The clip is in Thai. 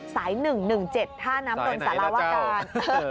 สาย๑๑๗ท่าน้ำนนทสารวการ